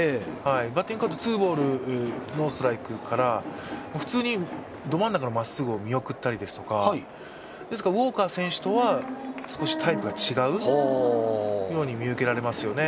バッティングカウント、ツーボール・ノーストライクから普通にどまん中のまっすぐを見送ったりですとか、ウォーカー選手とは少しタイプが違うように見受けられますよね。